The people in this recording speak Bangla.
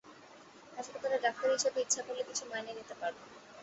হাসপাতালের ডাক্তার হিসাবে ইচ্ছা করলে কিছু মাইনে নিতে পারব।